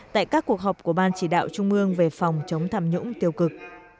tại các cuộc họp của ban chỉ đạo trung ương về phòng chống tham nhũng tiêu cực